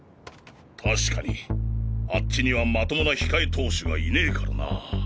確かにあっちにはまともな控え投手がいねえからなぁ。